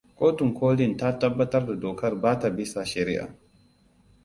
Kotun ƙolin ta tabbatar da dokar ba ta bisa shari'a.